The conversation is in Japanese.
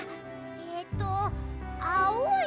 えっとあおい